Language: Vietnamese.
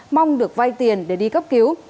mong được vay tiền để đi cấp cứu